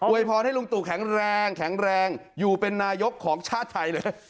วยพรให้ลุงตู่แข็งแรงแข็งแรงอยู่เป็นนายกของชาติไทยเลย